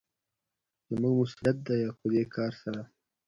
زموږ مسوليت دى او په دې کار سره